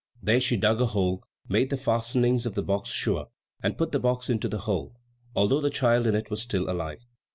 There she dug a hole, made the fastenings of the box sure, and put the box into the hole, although the child in it was still alive.